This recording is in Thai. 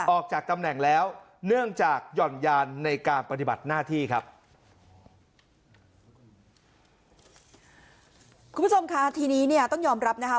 ออกจากตำแหน่งแล้วเนื่องจากหย่อนยานในการปฏิบัติหน้าที่ครับ